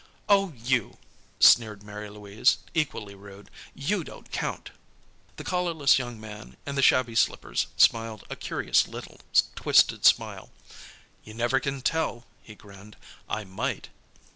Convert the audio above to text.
"O, you," sneered Mary Louise, equally rude, "you don't count." The collarless young man in the shabby slippers smiled a curious little twisted smile. "You never can tell," he grinned, "I might."